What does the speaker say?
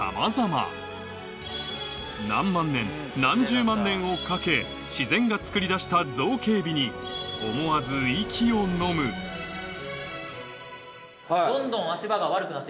何十万年をかけ自然がつくり出した造形美に思わず息をのむまだ？